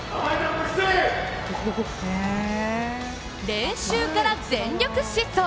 練習から全力疾走！